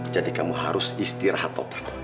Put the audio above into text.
jadi kamu harus istirahat